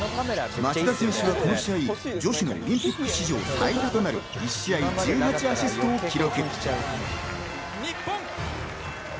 町田選手はこの試合女子のオリンピック史上最多となる１試合１８アシストを記録。